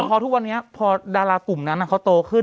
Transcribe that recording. พอทุกวันนี้พอดารากลุ่มนั้นเขาโตขึ้น